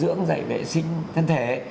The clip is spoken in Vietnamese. dạy dưỡng dạy vệ sinh thân thể